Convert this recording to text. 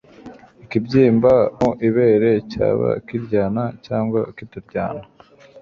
Ikibyimba mu ibere cyaba kiryana cyangwa kitaryana